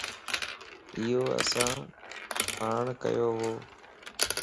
ايو اسان پاڻان ڪيووَ